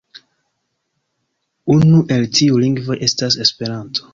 Unu el tiuj lingvoj estas Esperanto.